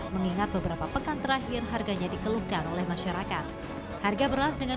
mengingat beberapa pekan terakhir harganya dikeluhkan oleh masyarakat harga beras dengan